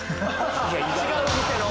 違う店の？